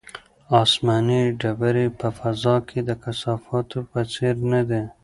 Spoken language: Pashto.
آسماني ډبرې په فضا کې د کثافاتو په څېر نه دي.